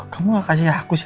kamu gak kasih aku